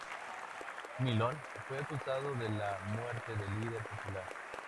Milón fue acusado de la muerte del líder popular.